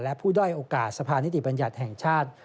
และผู้ด้อยโอกาสสภานิติบัญญัติแห่งชาติ